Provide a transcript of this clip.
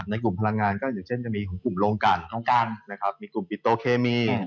ในกลุ่มพลังงานก็อยู่เช่นก็มีกลุ่มโรงกันมีกลุ่มปิโตเคมี